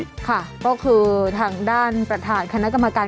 ค่ะก็คือทางด้านประธานคณะกรรมการ